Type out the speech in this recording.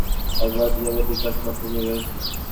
তাতে দাবি করা হয়, হামের টিকার সঙ্গে অটিজমের নিকট সম্পর্ক রয়েছে।